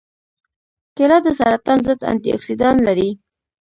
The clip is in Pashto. کېله د سرطان ضد انتياکسیدان لري.